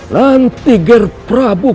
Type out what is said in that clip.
nanti gher prabu